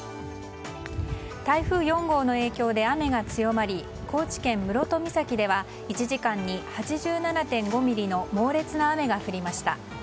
台風４号の影響で雨が強まり高知県室戸岬では１時間に８７．５ミリの猛烈な雨が降りました。